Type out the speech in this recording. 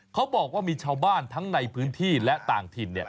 เขาบอกว่ามีชาวบ้านทั้งในพื้นที่และต่างถิ่น